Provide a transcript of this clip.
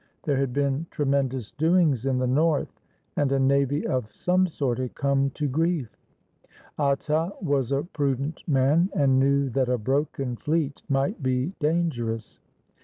There had been tremendous doings in the north, and a navy of some sort had come to grief. Atta was a prudent man and knew that a broken fleet might be dangerous.